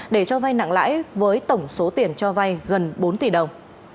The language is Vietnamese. để cho vay nặng lãi với tổng số tiền cho vay gần bốn tỷ đồng